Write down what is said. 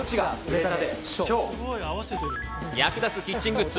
役立つキッチングッズ。